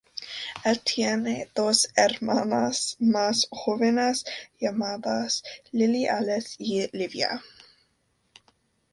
Él tiene dos hermanas más jóvenes llamadas Lily Alice y Livia.